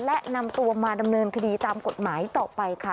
และนำตัวมาดำเนินคดีตามกฎหมายต่อไปค่ะ